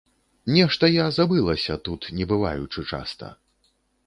Нешта я забылася, тут не бываючы часта.